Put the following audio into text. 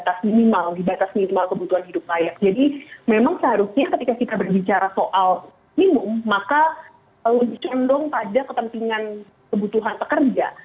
karena di batas minimal kebutuhan hidup layak jadi memang seharusnya ketika kita berbicara soal minimum maka dicondong saja kepentingan kebutuhan pekerja